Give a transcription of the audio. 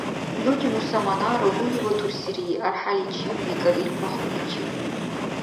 — Нуни Муса Манаров гьунивватурсири архӀяличи, — викӀар ил пахруличил.